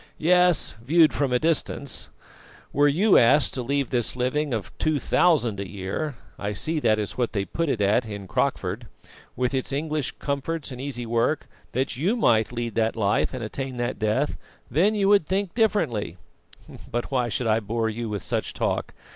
"Yes, viewed from a distance. Were you asked to leave this living of two thousand a year I see that is what they put it at in Crockford with its English comforts and easy work, that you might lead that life and attain that death, then you would think differently. But why should I bore you with such talk?